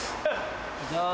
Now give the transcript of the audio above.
じゃあ。